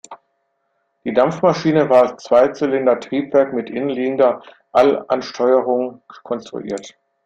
Die Dampfmaschine war als Zweizylinder-Triebwerk mit innenliegender Allansteuerung konstruiert.